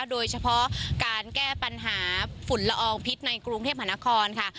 โดยเฉพาะการแก้ปัญหาฝุ่นละอองพิษในกรุงเทพมหานครค่ะ